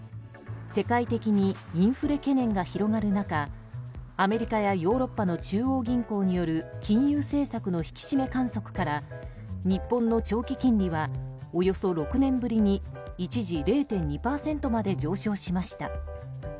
世界的にインフレ懸念が広がる中アメリカやヨーロッパの中央銀行による金融政策の引き締め観測から日本の長期金利はおよそ６年ぶりに一時０．２％まで上昇しました。